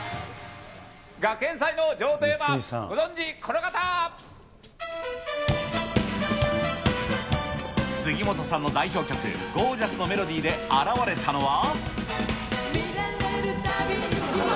学園祭の女王といえば、杉本さんの代表曲、ゴージャスのメロディーで現れたのは。